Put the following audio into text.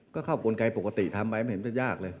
ก็เข้ากลไกปกติทำไปไม่เห็นจะยากเลย